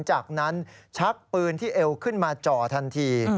จากนั้นชักปืนที่เอวขึ้นมาจ่อทันที